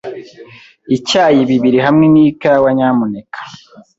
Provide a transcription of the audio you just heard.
Icyayi bibiri hamwe nikawa, nyamuneka.